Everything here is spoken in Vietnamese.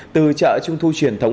từ chợ trung thu truyền thống hai